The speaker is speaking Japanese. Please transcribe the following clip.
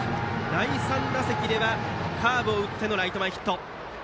第３打席ではカーブを打ってのライト前ヒット。